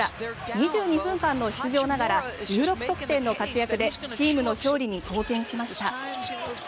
２２分間の出場ながら１６得点の活躍でチームの勝利に貢献しました。